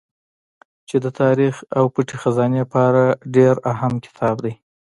چې د تاريڅ او پټې خزانې په اړه ډېر اهم کتاب دی